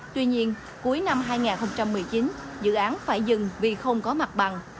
tuy nhiên cuối năm hai nghìn một mươi chín dự án phải dừng vì không có mặt bằng